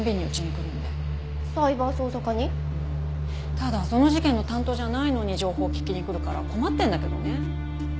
ただその事件の担当じゃないのに情報を聞きに来るから困ってるんだけどね。